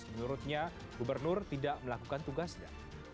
menurutnya gubernur tidak melakukan tugasnya